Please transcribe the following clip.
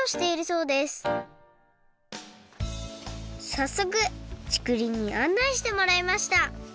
さっそくちくりんにあんないしてもらいました